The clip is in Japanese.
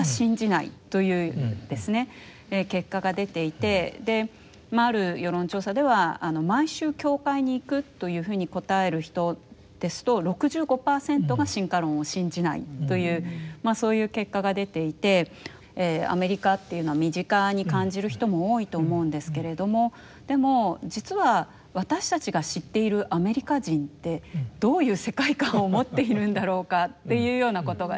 結果が出ていてある世論調査では毎週教会に行くというふうに答える人ですと６５％が進化論を信じないというそういう結果が出ていてアメリカっていうのは身近に感じる人も多いと思うんですけれどもでも実は私たちが知っているアメリカ人ってどういう世界観を持っているんだろうかっていうようなことがですね